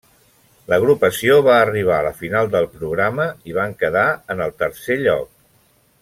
L'agrupació va arribar a la final del programa i van quedar en el tercer lloc.